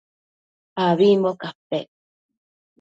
abimbo capec